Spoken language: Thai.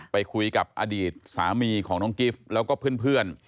ไปคุยกับอดีตสามีของน้องกิฟต์แล้วก็เพื่อน